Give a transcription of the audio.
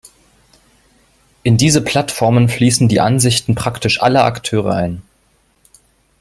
In diese Plattformen fließen die Ansichten praktisch aller Akteure ein.